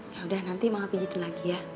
yaudah nanti mama pijetin lagi ya